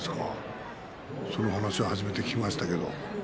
その話初めて聞きました。